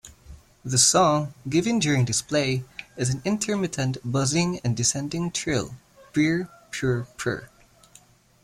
The song, given during display, is an intermittent buzzing and descending trill "preer-prr-prr".